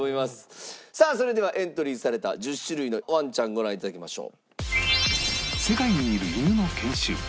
さあそれではエントリーされた１０種類のワンちゃんご覧頂きましょう。